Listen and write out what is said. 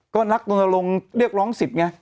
ก็นักลงเรียกร้องสิทธิ์ไง